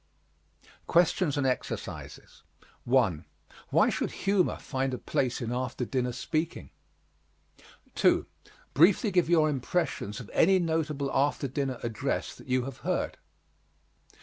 QUESTIONS AND EXERCISES 1. Why should humor find a place in after dinner speaking? 2. Briefly give your impressions of any notable after dinner address that you have heard.